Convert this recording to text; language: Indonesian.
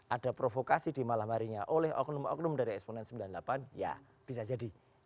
ada provokasi di malam harinya oleh oknum oknum dari eksponen sembilan puluh delapan ya bisa jadi